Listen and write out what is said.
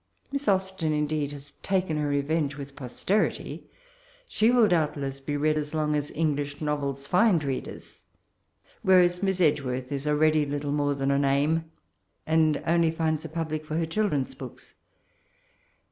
Miss Austen, indeed, has taken her re venge with posterity. She will doubt less be read as long as Englbh novels find readers; whereas Miss Edge worth is already little more than a name, and only finds a public for her children's books.